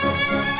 ya udah mbak